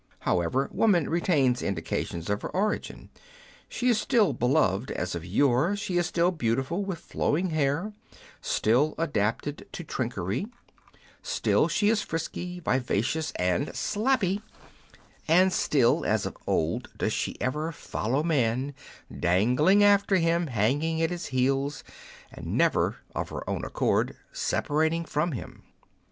However, woman retains indications of her origin. She is still beloved as of yore ; she is still beautiful, with flowing hair ; still adapted to trinketry. Still Ii6 r L What are Women Made Of ? she is frisky, vivacious, and slappy ; and still, as of old, does she ever follow man, dangling after him, hanging at his heels, and never, of her own accord, separating from him.